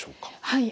はい。